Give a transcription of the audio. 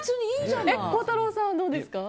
孝太郎さんはどうですか？